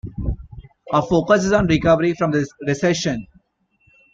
Our focus is on recovery from the recession.